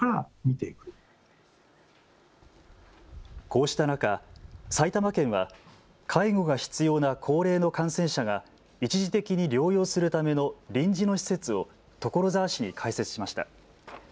こうした中、埼玉県は介護が必要な高齢の感染者が一時的に療養するための臨時の施設を所沢市に開設しました。